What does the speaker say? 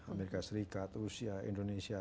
amerika serikat rusia indonesia